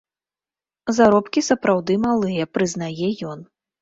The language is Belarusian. Заробкі сапраўды малыя, прызнае ён.